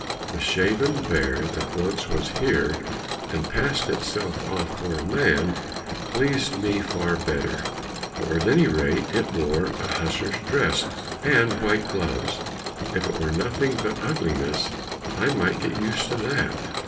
The shaven bear that once was here and passed itself off for a man pleased me far better, for at any rate it wore a hussar's dress and white gloves. If it were nothing but ugliness, I might get used to that."